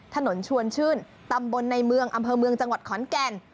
ถนนชวนชื่นตำบลในเมืองอำเภอเมืองจังหวัดขอนแก่น